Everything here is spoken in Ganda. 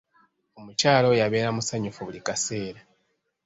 Omukyala oyo abeera musanyufu buli kaseera.